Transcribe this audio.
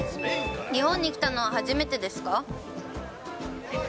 日本に来たのは初めてですか？